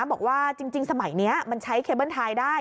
บอกว่าจริงสมัยนี้มันใช้เคเบิ้ลไทยได้